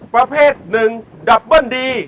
ประเภท๑ดับเบิ้ลดี